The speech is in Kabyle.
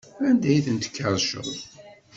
Anda ay ten-tkerrceḍ?